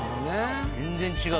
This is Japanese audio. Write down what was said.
全然違う。